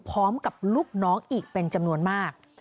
พร้อมกับลูกน้องอีกเป็นจำนวนมาก